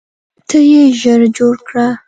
ته یې ژر جوړ کړه.